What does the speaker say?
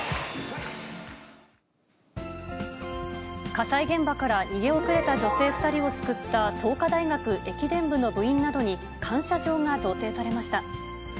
火災現場から逃げ遅れた女性２人を救った創価大学駅伝部の部員などに、感謝状が贈呈されました。